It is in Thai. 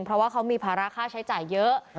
เพราะว่าเขามีภาระค่าใช้จ่ายเยอะ